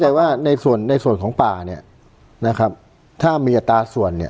แต่ว่าในส่วนในส่วนของป่าเนี่ยนะครับถ้ามีอัตราส่วนเนี่ย